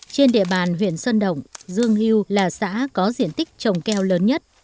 trên địa bàn huyện sơn động dương hưu là xã có diện tích trồng keo lớn nhất